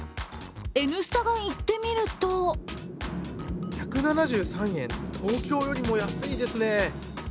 「Ｎスタ」が行ってみると１７３円、東京よりも安いですね。